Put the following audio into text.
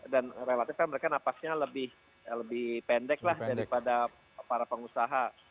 dan relatifnya mereka napasnya lebih pendek lah daripada para pengusaha